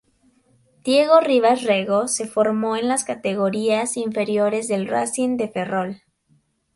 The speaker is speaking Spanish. Diego Rivas Rego se formó en las categorías inferiores del Racing de Ferrol.